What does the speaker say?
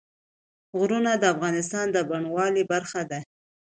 غرونه د افغانستان د بڼوالۍ برخه ده.